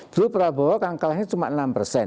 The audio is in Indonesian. dulu prabowo kan kalahnya cuma enam persen